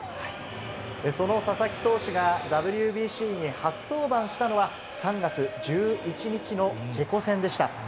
その佐々木投手がＷＢＣに初登板したのは、３月１１日のチェコ戦でした。